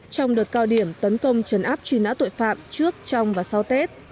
trong đợt cao điểm tấn công chấn áp truy nã tội phạm trước trong và sau tết